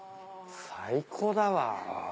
最高だわ。